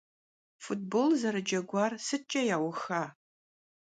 Futbol zerıceguar sıtç'e yauxa?